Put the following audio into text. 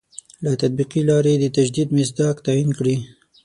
له تطبیقي لاري د تجدید مصداق تعین کړي.